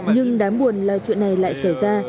nhưng đáng buồn là chuyện này lại xảy ra